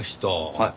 はい。